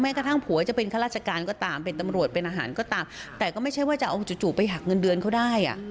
กระทั่งผัวจะเป็นข้าราชการก็ตามเป็นตำรวจเป็นอาหารก็ตามแต่ก็ไม่ใช่ว่าจะเอาจู่ไปหักเงินเดือนเขาได้อ่ะ